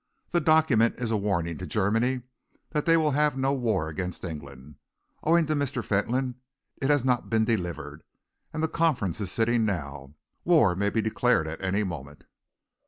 That document is a warning to Germany that they will have no war against England. Owing to Mr. Fentolin, it has not been delivered, and the Conference is sitting now. War may be declared at any moment."